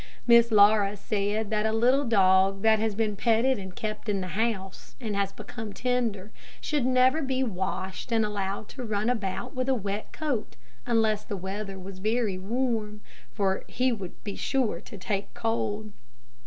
Miss Laura said that a little dog that has been petted and kept in the house, and has become tender, should never be washed and allowed to run about with a wet coat, unless the weather was very warm, for he would be sure to take cold.